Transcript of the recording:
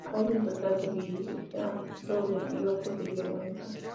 Hay un total de de vía doble y otros de vía única.